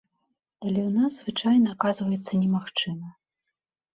Але ў нас гэта звычайна аказваецца немагчыма.